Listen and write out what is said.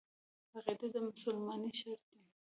عقیده د مسلمانۍ شرط دی.